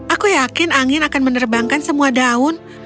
aku yakin angin akan menerbangkan semua daun